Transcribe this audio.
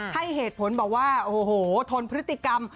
ให้เหตุผลบอกว่าโอ้โหทนพฤติกรรม